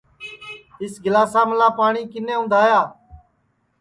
اِس گِلاساملا پاٹؔی کِنے اُندھایا